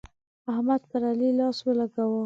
احمد پر علي لاس ولګاوو.